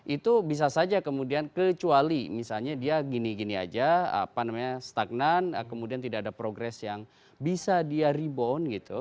itu bisa saja kemudian kecuali misalnya dia gini gini aja apa namanya stagnan kemudian tidak ada progres yang bisa dia rebound gitu